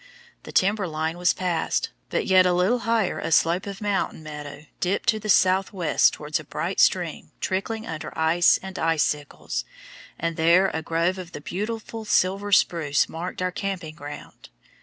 The timber line was passed, but yet a little higher a slope of mountain meadow dipped to the south west towards a bright stream trickling under ice and icicles, and there a grove of the beautiful silver spruce marked our camping ground.